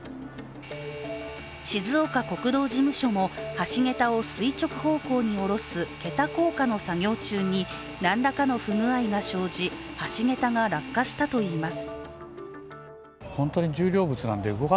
静岡国道事務所も橋桁を垂直方向に降ろす桁降下の作業中に何らかの不具合が生じ橋桁が落下したといいます。